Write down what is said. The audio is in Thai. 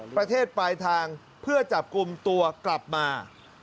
ประเทศปลายทางเพื่อจับกลุ่มตัวกลับมา